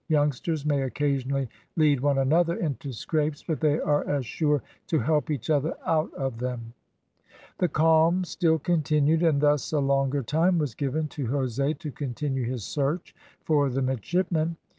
Youngsters may occasionally lead one another into scrapes, but they are as sure to help each other out of them." The calm still continued, and thus a longer time was given to Jose to continue his search for the midshipmen.